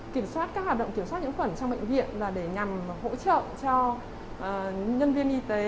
kiểm soát các hoạt động kiểm soát nhiễm khuẩn trong bệnh viện là để nhằm hỗ trợ cho nhân viên y tế